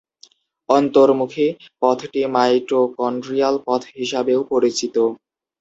অন্তর্মুখী পথটি মাইটোকন্ড্রিয়াল পথ হিসাবেও পরিচিত।